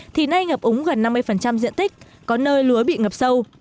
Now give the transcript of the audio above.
thì nay ngập úng gần năm mươi diện tích có nơi lúa bị ngập sâu